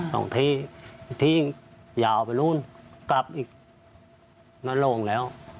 สองที่ที่ยาวไปนู่นกลับอีกนโรงแล้ว